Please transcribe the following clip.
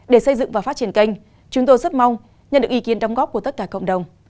để xây dựng và phát triển kênh chúng tôi rất mong nhận được ý kiến đóng góp của tất cả cộng đồng